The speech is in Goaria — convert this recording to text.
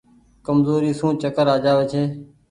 ڪمزوري سون چڪر آ جآوي ڇي۔